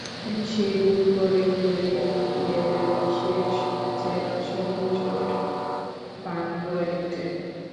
সেই বুট পরে খেলেই বিপিএলের শেষ ম্যাচে মাশরাফি চোট পান গোড়ালিতে।